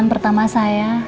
pertama kali saya berkah